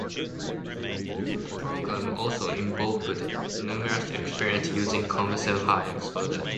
The program also involved numerous experiments using conventional high explosives.